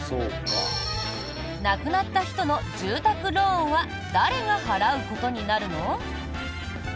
亡くなった人の住宅ローンは誰が払うことになるの？